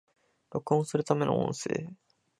録音するための音声